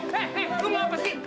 tunggu untuk lima orang lagi